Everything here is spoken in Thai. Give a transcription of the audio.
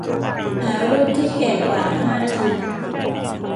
หารูปที่แก่กว่าห้าอาทิตย์